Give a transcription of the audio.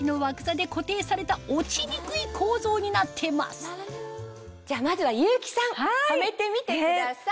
柴田さんご安心をじゃあまずは優木さんはめてみてください。